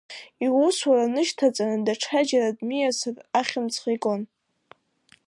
Иусура нышьҭаҵаны, даҽаџьара дмиасыр, ахьымӡӷ игон.